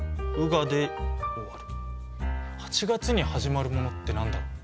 ８月に始まるものって何だろう？